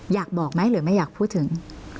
อยากบอกไหมหรือไม่อยากพูดถึง